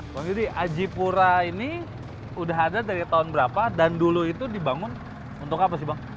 bang yudi ajipura ini udah ada dari tahun berapa dan dulu itu dibangun untuk apa sih bang